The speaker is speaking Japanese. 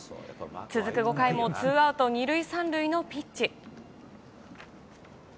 続く５回もツーアウト２塁３塁のピンチ。